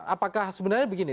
apakah sebenarnya begini